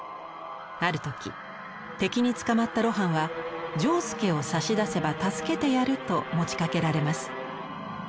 ある時敵に捕まった露伴は「仗助を差し出せば助けてやる」と持ちかけられます。